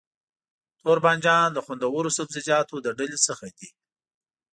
توربانجان د خوندورو سبزيجاتو له ډلې څخه دی.